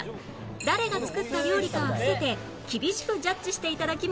誰が作った料理かは伏せて厳しくジャッジして頂きます